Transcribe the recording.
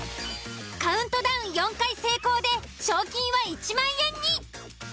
カウントダウン４回成功で賞金は１０，０００円に。